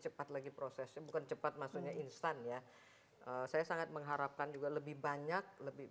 cepat lagi prosesnya bukan cepat maksudnya instan ya saya sangat mengharapkan juga lebih banyak lebih